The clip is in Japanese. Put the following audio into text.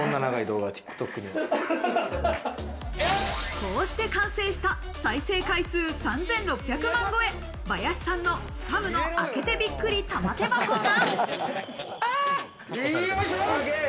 こうして完成した再生回数３６００万超え、バヤシさんの、スパムの開けてびっくり玉手箱動画が。